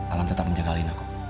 alam tetap menjaga alinaku